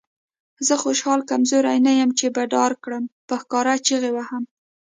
زه خوشحال کمزوری نه یم چې به ډار کړم. په ښکاره چیغې وهم.